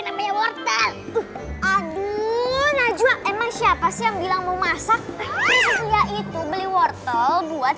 namanya worteg aduh najwa emang siapa sih yang bilang mau masak yaitu beli wortel buat